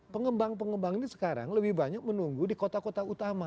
pengembang pengembang ini sekarang lebih banyak menunggu di kota kota utama